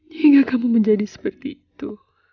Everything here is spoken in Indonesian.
sehingga kamu menjadi seperti itu